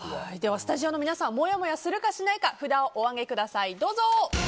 スタジオの皆さんもやもやするかしないか札をお上げください。